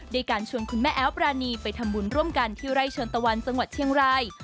การชวนคุณแม่แอ๊วปรานีไปทำบุญร่วมกันที่ไร่ชนตะวันจังหวัดเชียงราย